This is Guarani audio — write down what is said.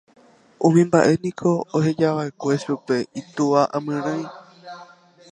Umi mba'e niko ohejava'ekue chupe itúva amyrỹi.